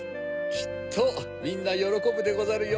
きっとみんなよろこぶでござるよ。